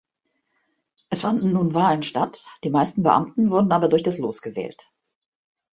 Es fanden nun Wahlen statt, die meisten Beamten wurden aber durch das Los gewählt.